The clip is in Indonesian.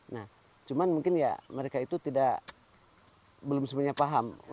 nah cuman mungkin ya mereka itu belum sebenarnya paham